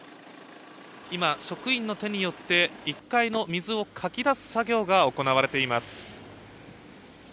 今、職員の手によって、１階の水をかき出す作業が行われています。